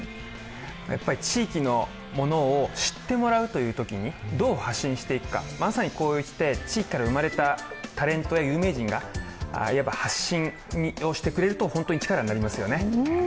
地域のものを知ってもらうというときにどう発信していくか、まさにこうして地域から産まれたタレントや有名人が発信をしてくれると、本当に力になりますよね。